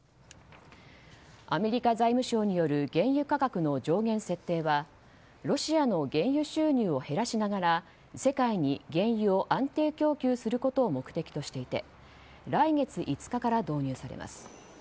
アメリカ財務省による原油価格の上限設定はロシアの原油収入を減らしながら世界に原油を安定供給することを目的としていて来月５日から導入されます。